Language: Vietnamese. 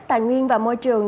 tài nguyên và môi trường